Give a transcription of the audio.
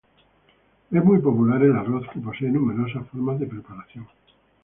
Es muy popular el arroz que posee numerosas formas de preparación.